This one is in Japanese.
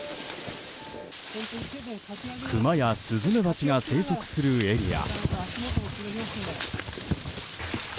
クマやスズメバチが生息するエリア。